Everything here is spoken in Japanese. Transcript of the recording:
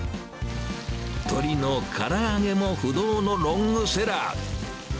鶏のから揚げも不動のロングセラー。